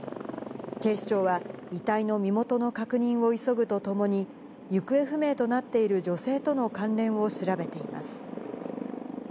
警視庁は、遺体の身元の確認を急ぐとともに、行方不明となっている女性との関連を調べています。